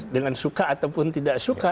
dengan suka ataupun tidak suka